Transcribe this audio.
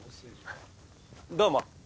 どうも。